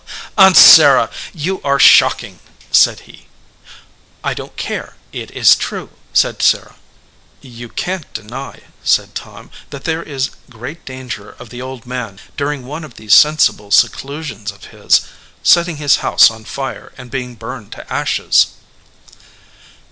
"Aunt Sarah, you are shocking!" said he. "I don t care, it s true," said Sarah. "You can t deny," said Tom, "that there is great danger of the old man, during one of these sensible seclusions of his, setting his house on fire and being burned to ashes."